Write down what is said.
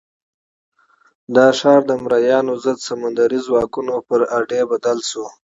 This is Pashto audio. دا ښار د مریانو ضد سمندري ځواکونو پر اډې بدل شو.